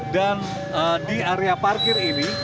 dan di area parkir ini